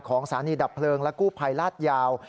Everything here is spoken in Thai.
ของสารนีดับเพลิงและกู้ไผลลาดยาว